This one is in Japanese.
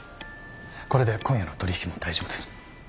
これで今夜の取引も大丈夫です。